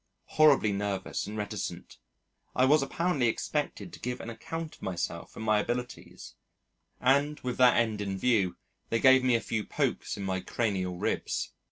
Horribly nervous and reticent. I was apparently expected to give an account of myself and my abilities and with that end in view, they gave me a few pokes in my cranial ribs.